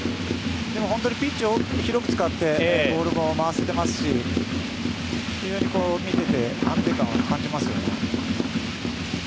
ピッチを広く使ってボールも回せていますし非常に見ていて安定感は感じますね。